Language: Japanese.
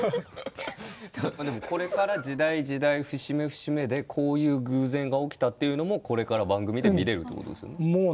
でもこれから時代時代節目節目でこういう偶然が起きたというのもこれから番組で見れるって事ですよね。